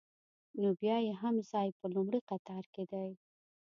نو بیا یې هم ځای په لومړي قطار کې دی.